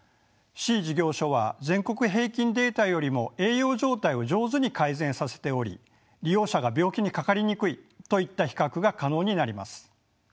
「Ｃ事業所は全国平均データよりも栄養状態を上手に改善させており利用者が病気にかかりにくい」といった比較が可能になります。